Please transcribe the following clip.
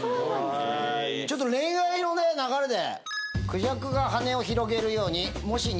ちょっと恋愛の流れで。